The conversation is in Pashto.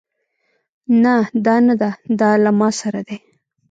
نه دا نده دا له ما سره دی